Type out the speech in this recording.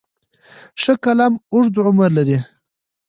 ښه قلم اوږد عمر لري.